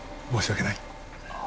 申し訳ない。